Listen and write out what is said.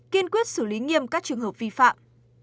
kiên quyết xử lý nghiêm các trường hợp vi phạm